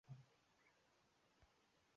痢止蒿为唇形科筋骨草属下的一个种。